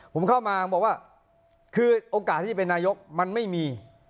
ผมเข้ามาบอกว่าคือโอกาสที่จะเป็นนายกมันไม่มี